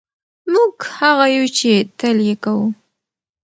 موږ هغه یو چې تل یې کوو.